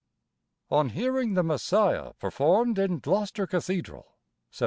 ON HEARING "THE MESSIAH" PERFORMED IN GLOUCESTER CATHEDRAL, SEPT.